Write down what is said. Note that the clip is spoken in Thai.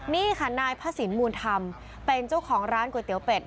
นี่ค่ะนายพระศิลปมูลธรรมเป็นเจ้าของร้านก๋วยเตี๋ยเป็ด